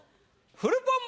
フルポン